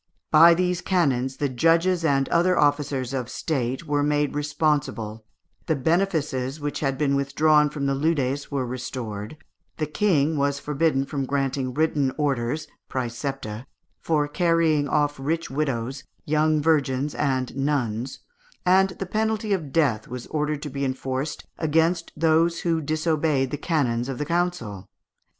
By these canons the judges and other officers of State were made responsible, the benefices which had been withdrawn from the leudes were restored, the King was forbidden from granting written orders (præcepta) for carrying off rich widows, young virgins, and nuns; and the penalty of death was ordered to be enforced against those who disobeyed the canons of the council.